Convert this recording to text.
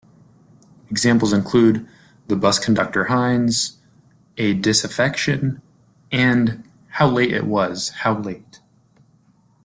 Examples include "The Busconductor Hines", "A Disaffection" and "How Late It Was, How Late".